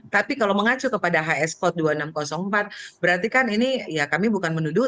tapi kalau mengacu kepada hs code dua ribu enam ratus empat berarti kan ini ya kami bukan menuduh